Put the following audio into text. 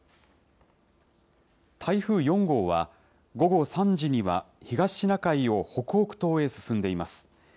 台風４号は、午後３時には東シナ海を北北東へ進んでいます。